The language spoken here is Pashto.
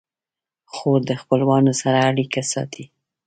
خور د خپلوانو سره اړیکې ساتي.